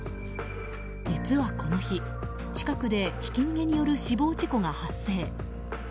実はこの日、近くでひき逃げによる死亡事故が発生。